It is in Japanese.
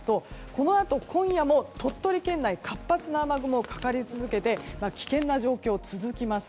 このあと、今夜も鳥取県内は活発な雨雲がかかり続けて危険な状況が続きます。